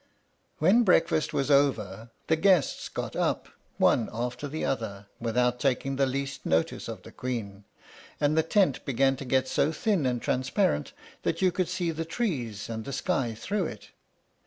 _ When breakfast was over, the guests got up, one after the other, without taking the least notice of the Queen; and the tent began to get so thin and transparent that you could see the trees and the sky through it.